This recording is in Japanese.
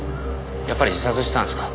やっぱり自殺したんですか？